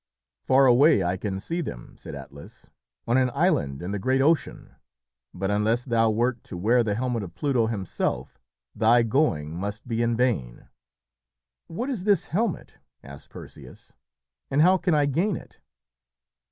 "Far away I can see them," said Atlas, "on an island in the great ocean. But unless thou wert to wear the helmet of Pluto himself, thy going must be in vain." "What is this helmet?" asked Perseus, "and how can I gain it?"